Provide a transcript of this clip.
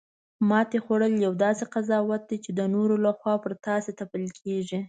ماتې خوړل یو داسې قضاوت دی چې د نورو لخوا پر تاسې تپل کیږي